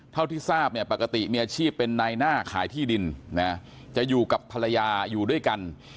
เท่าที่ทราบเนี่ยปกติมีอาชีพเป็นนายหน้าขายที่ดินนะจะอยู่กับภรรยาอยู่ด้วยกัน